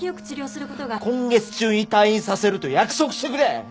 今月中に退院させると約束してくれ！